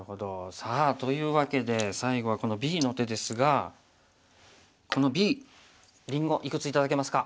さあというわけで最後はこのＢの手ですがこのＢりんごいくつ頂けますか？